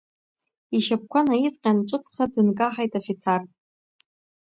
Ишьапқәа наиҵҟьан ҿыцха дынкаҳаит афицар.